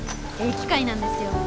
機械なんですよ。